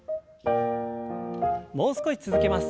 もう少し続けます。